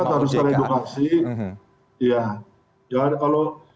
masyarakat harus teredukasi